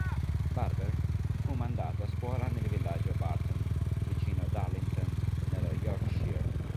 Barber fu mandato a scuola nel villaggio Barton vicino Darlington nello Yorkshire.